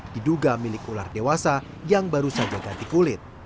diduga milik ular dewasa yang baru saja ganti kulit